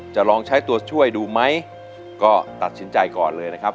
จะลองใช้ตัวช่วยดูไหมก็ตัดสินใจก่อนเลยนะครับ